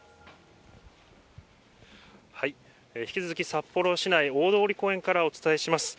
引き続き札幌市内、大通公園からお伝えします。